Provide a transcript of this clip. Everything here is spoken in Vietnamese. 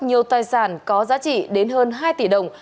nhiều tài sản có giá trị đến hơn hai tỷ đồng